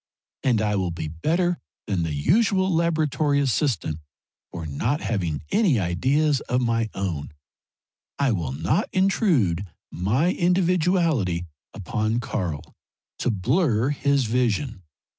And I will be better than the usual laboratory assistant, for not having any ideas of my own I will not intrude my individuality upon Karl to blur his vision.